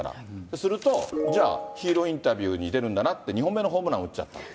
すると、じゃあ、ヒーローインタビューに出るんだなって、２本目のホームラン打っちゃった。